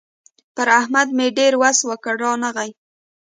پر احمد مې ډېر وس وکړ؛ رانغی.